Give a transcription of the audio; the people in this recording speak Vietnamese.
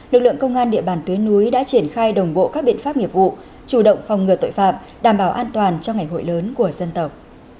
lực lượng công an địa bàn tuyến núi đã triển khai đồng bộ các biện pháp nghiệp vụ chủ động phòng ngừa tội phạm đảm bảo an toàn cho ngày hội lớn của dân tộc